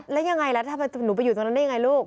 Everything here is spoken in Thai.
แล้วยังไงล่ะเป็นไปอยู่ตรงนั้นได้อย่างไรลูก